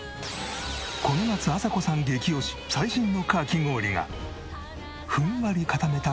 この夏麻子さん激推し最新のかき氷がふんわり固めた氷。